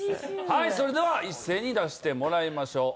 はいそれでは一斉に出してもらいましょう。